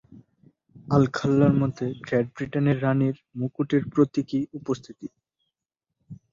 আলখাল্লার মধ্যে গ্রেট ব্রিটেনের রানীর মুকুটের প্রতীকী উপস্থিতি।